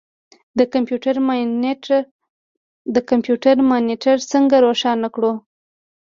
د کمپیوټر مانیټر څنګه روښانه کړو.